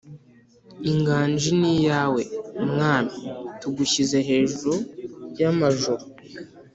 inganji niyawe mwami tugushyize hejuru yamajuru